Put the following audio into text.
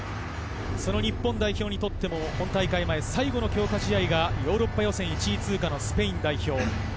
日本代表にとっても大会前、最後の強化試合がヨーロッパ予選１位通過のスペイン代表。